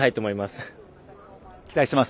期待しています。